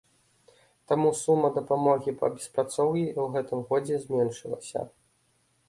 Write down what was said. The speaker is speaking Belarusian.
Таму сума дапамогі па беспрацоўі ў гэтым годзе зменшылася.